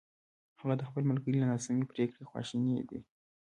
هغه د خپل ملګري له ناسمې پرېکړې خواشینی دی!